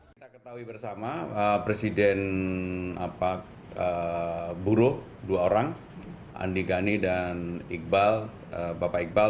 kita ketahui bersama presiden buruk dua orang andi gani dan bapak iqbal